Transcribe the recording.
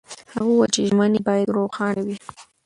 هغه وویل چې ژمنې باید روښانه وي.